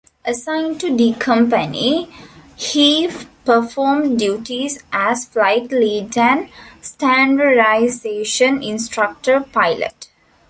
Assigned to D Company, he performed duties as Flight Lead and Standardization Instructor Pilot.